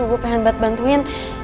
duh gue pengen banget bantuin